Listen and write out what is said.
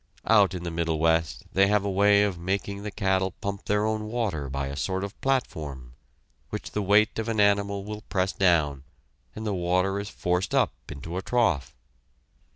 Out in the Middle West they have a way of making the cattle pump their own water by a sort of platform, which the weight of an animal will press down, and the water is forced up into a trough.